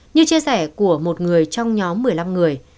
như chia sẻ của một người trong nhóm một mươi năm người